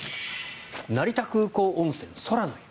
成田空港温泉空の湯。